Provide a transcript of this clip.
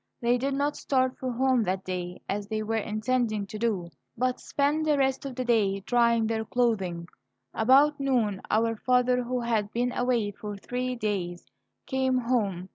They did not start for home that day, as they were intending to do, but spent the rest of the day drying their clothing. About noon our father, who had been away for three days, came home.